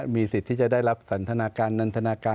มีสิทธิ์ที่จะได้รับสันทนาการนันทนาการ